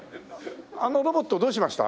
あのロボットどうしました？